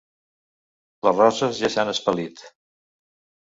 Les roses ja s'han espellit.